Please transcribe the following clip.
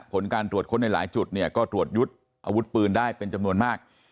ผลการตรวจค้นในหลายจุดเนี่ยก็ตรวจยึดอาวุธปืนได้เป็นจำนวนมาก